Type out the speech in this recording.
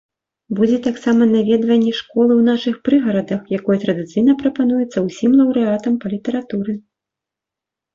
Будзе таксама наведванне школы ў нашых прыгарадах, якое традыцыйна прапануецца ўсім лаўрэатам па літаратуры.